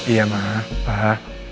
iya ma pak